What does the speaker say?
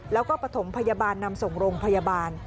แล้วก็ประถมพยาบาลนำส่งโรงพยาบาล